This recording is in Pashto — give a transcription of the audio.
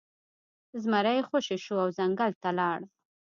زمری خوشې شو او ځنګل ته لاړ.